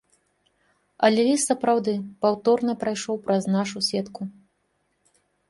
Але ліст сапраўды паўторна прайшоў праз нашу сетку.